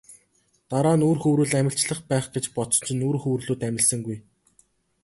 Дараа нь үр хөврөл амилчих байх гэж бодсон чинь үр хөврөлүүд амилсангүй.